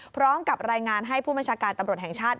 พร้อมกับรายงานให้ผู้บัญชาการตำรวจแห่งชาติ